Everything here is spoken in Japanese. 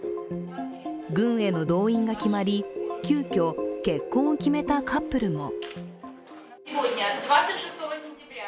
軍への動員が決まり、急きょ、結婚を決めたカップルも。